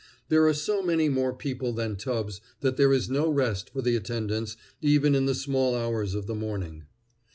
There are so many more people than tubs that there is no rest for the attendants even in the small hours of the morning.